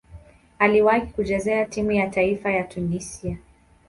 Aliwahi kucheza timu ya taifa ya Tunisia.